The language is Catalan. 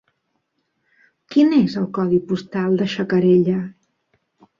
Quin és el codi postal de Xacarella?